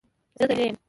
زه دلې یم.